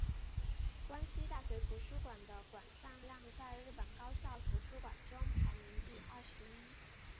关西大学图书馆的馆藏量在日本高校图书馆中排名第二十一。